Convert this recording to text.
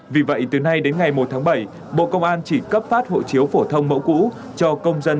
vì vậy từ nay đến ngày một tháng bảy bộ công an chỉ cấp phát hộ chiếu phổ thông mẫu cũ cho công dân